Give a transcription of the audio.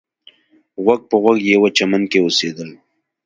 غوږ په غوږ یوه چمن کې اوسېدلې.